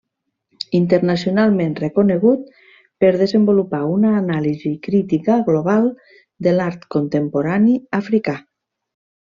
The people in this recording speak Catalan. Internacionalment reconegut per desenvolupar una anàlisi crítica global de l’art contemporani africà.